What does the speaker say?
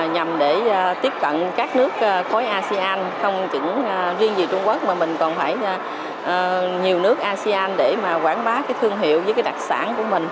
nhằm để tiếp cận các nước khối asean không chỉ riêng vì trung quốc mà mình còn phải nhiều nước asean để quảng bá thương hiệu với đặc sản của mình